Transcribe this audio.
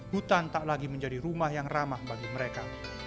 hutan tak lagi menjadi rumah yang ramah bagi mereka